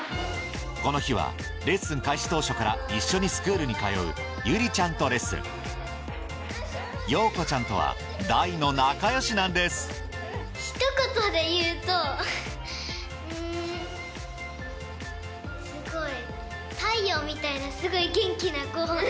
この日はレッスン開始当初から一緒にスクールに通う悠李ちゃんとレッスンようこちゃんとは大の仲良しなんですうんすごい。